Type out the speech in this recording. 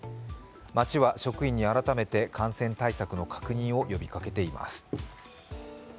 町は職員に改めて感染対策の確認を呼びかけています。